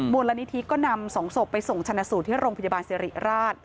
มูลนิธิก็นำ๒ศพไปส่งชนะสูตรที่โรงพยาบาลสิริราช